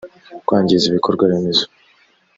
kwangiza ibikorwa remezo